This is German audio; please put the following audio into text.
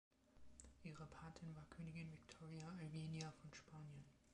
Ihre Patin war Königin Victoria Eugenia von Spanien.